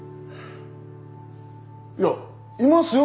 いやいますよ？